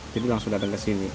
jadi langsung datang ke sini